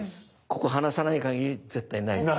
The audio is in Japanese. ここ離さないかぎり絶対ないですね？